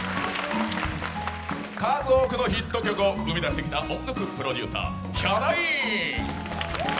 数多くのヒット曲を生み出してきた音楽プロデューサー・ヒャダイン！